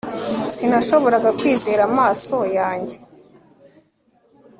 sinashoboraga kwizera amaso yanjye